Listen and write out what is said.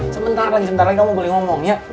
sebentar lagi sebentar lagi kamu boleh ngomong ya